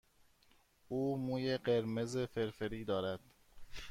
او موی قرمز فرفری دارد.